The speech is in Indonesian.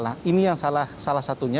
nah ini yang salah satunya